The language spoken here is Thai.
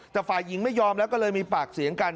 แต่ฝ่ายหญิงไม่ยอมแล้วก็เลยมีปากเสียงกัน